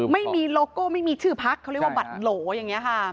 ไม่มีโลโก้ไม่มีชื่อพักเขาเรียกว่าบัตรโหลอย่างนี้ค่ะ